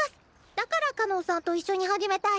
だからかのんさんと一緒に始めたい。